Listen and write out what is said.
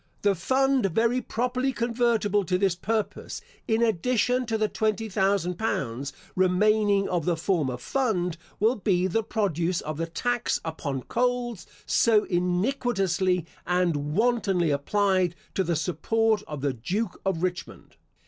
The fund very properly convertible to this purpose, in addition to the twenty thousand pounds, remaining of the former fund, will be the produce of the tax upon coals, so iniquitously and wantonly applied to the support of the Duke of Richmond.